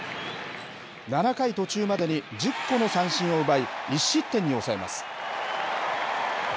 ７回途中までに１０個の三振を奪い、１失点に抑えます。